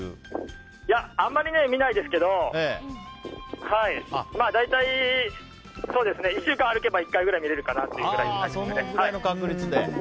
いや、あまり見ないですけど。大体、１週間歩けば１回くらい見れるかなという感じで。